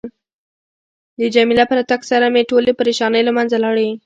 د جميله په راتګ سره مې ټولې پریشانۍ له منځه لاړې.